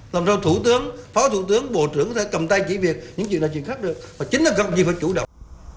lần sau thủ tướng phó thủ tướng bộ trưởng có thể cầm tay chỉ việc những chuyện là chuyện khác được mà chính là công trình phải chủ động